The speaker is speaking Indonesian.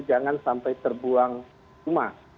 jangan sampai terbuang rumah